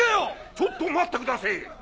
⁉ちょっと待ってくだせぇ！